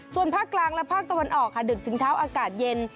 ส่วนภาคกลางและภาคตะวันออกค่ะดึกถึงเช้าอากาศเย็น